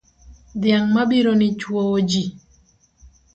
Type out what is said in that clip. Dhiang' mabironi chwowoji.